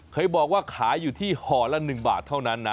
เคยบอกว่าขายอยู่ที่ห่อละ๑บาทเท่านั้นนะ